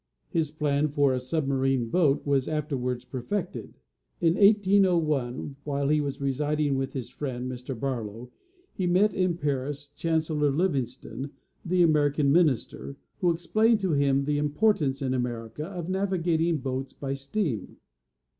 His plan for a sub marine boat was afterwards perfected. In 1801, while he was residing with his friend, Mr. Barlow, he met in Paris Chancellor Livingston, the American minister, who explained to him the importance in America of navigating boats by steam.